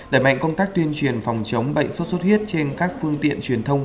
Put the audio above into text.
đẩy mạnh công tác tuyên truyền phòng chống bệnh suốt suốt huyết trên các phương tiện truyền thông